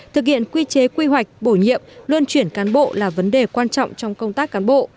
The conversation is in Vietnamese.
thực hiện quy chế quy hoạch bổ nhiệm luân chuyển cán bộ là vấn đề quan trọng trong công tác cán bộ